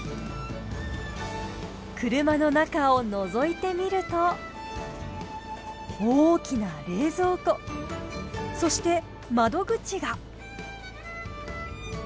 車の中をのぞいてみると大きな冷蔵庫そして窓口が。